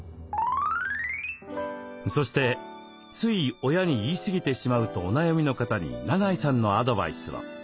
そして「つい親に言い過ぎてしまう」とお悩みの方に永井さんのアドバイスを。